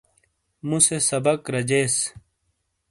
موسے سبک رجیس۔